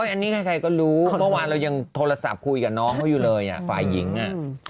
อันนี้ใครก็รู้เมื่อวานเรายังโทรศัพท์คุยกับน้องเขาอยู่เลยอ่ะฝ่ายหญิงอ่ะ